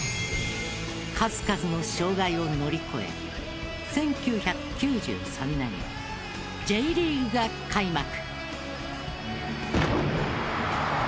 数々の障害を乗り越え１９９３年、Ｊリーグが開幕。